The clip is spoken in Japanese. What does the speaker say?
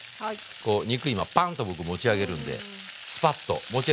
こう肉今パンッと僕持ち上げるんでスパッと油ないでしょ？